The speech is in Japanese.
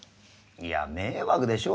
いや迷惑でしょ？